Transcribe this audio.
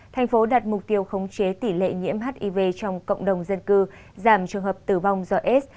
thành phố đặt mục tiêu khống chế tỷ lệ nhiễm hiv trong cộng đồng dân cư giảm trường hợp tử vong do aids